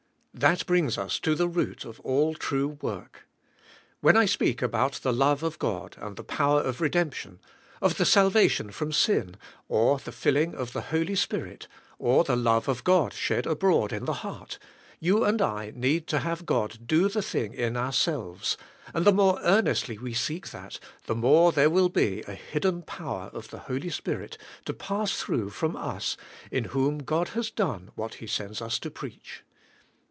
That brings us to the root of all true work. When I speak about the love of God, of the power of re demption, of the salvation from sin, or the filling of the Holy Spirit, or the love of God shed abroad in the heart, you and I need to have God do the thing in ourselves, and the more earnestly we seek that, the more there will be a hidden power of the Holy Spirit to pass through from us, in whom God has done what He sends us to preach.